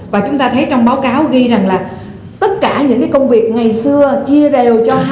và chúng ta thấy trong báo cáo ghi rằng là tất cả những công việc ngày xưa chia đều cho hai mươi bốn